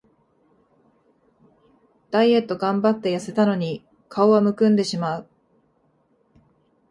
ダイエットがんばってやせたのに顔はむくんでしまう